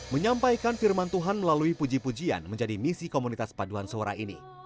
menyampaikan firman tuhan melalui puji pujian menjadi misi komunitas paduan suara ini